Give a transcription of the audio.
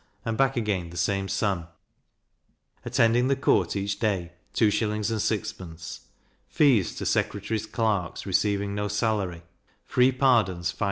and back again the same sum; attending the court each day 2s. 6d. Fees to secretary's clerks, receiving no salary: free pardons 5s.